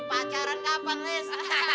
pacaran kapan liz